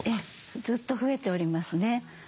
ずっと増えておりますね。